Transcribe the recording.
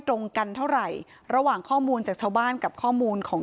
ตรงกันเท่าไหร่ระหว่างข้อมูลจากชาวบ้านกับข้อมูลของ